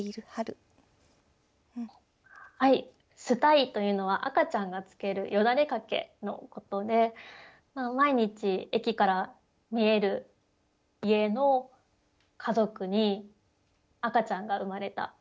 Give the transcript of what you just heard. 「スタイ」というのは赤ちゃんがつけるよだれ掛けのことで毎日駅から見える家の家族に赤ちゃんが生まれた。